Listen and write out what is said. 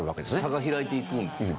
差が開いていくんですね。